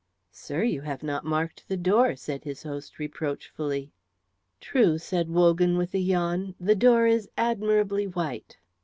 "Sir, you have not marked the door," said his host, reproachfully. "True," said Wogan, with a yawn; "the door is admirably white."